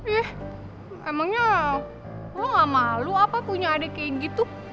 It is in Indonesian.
eh emangnya wah gak malu apa punya adik kayak gitu